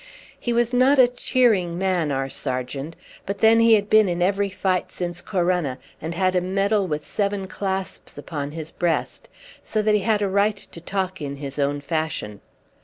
He was not a cheering man, our sergeant; but then he had been in every fight since Corunna, and had a medal with seven clasps upon his breast, so that he had a right to talk in his own fashion.